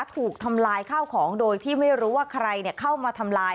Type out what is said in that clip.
ถูกทำลายข้าวของโดยที่ไม่รู้ว่าใครเข้ามาทำลาย